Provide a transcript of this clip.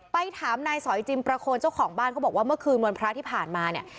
ไปถามนายสอยจิมประโคนเจ้าของบ้านเขาบอกว่าเมื่อคืนวันพระที่ผ่านมาเนี่ย